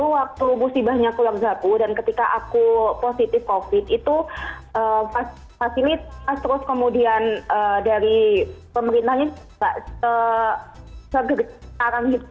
waktu busi banyak keluarga aku dan ketika aku positif covid sembilan belas itu fasilitas terus kemudian dari pemerintahnya segegesar